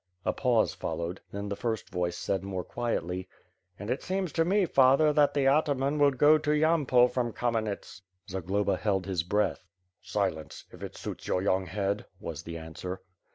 A pause followed, then the first voice said more quietly. "And it seems to me, father, that the ataman will go to Yampol from Kamenets." Zagloba held his breath. "Silence! if it suits your young head," was the answer.